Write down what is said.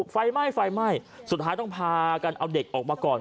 ไฟไหม้ไฟไหม้สุดท้ายต้องพากันเอาเด็กออกมาก่อน